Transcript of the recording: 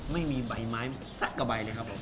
ไม่มีใบไม้สักกระใบเลยครับผม